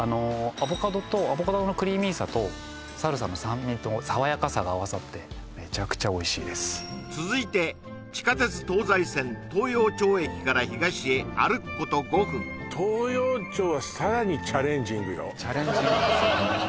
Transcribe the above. アボカドのクリーミーさとサルサの酸味と爽やかさが合わさってめちゃくちゃおいしいです続いて地下鉄東西線東陽町駅から東へ歩くこと５分東陽町はさらにチャレンジングよチャレンジングですね